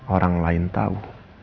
orang lain tahu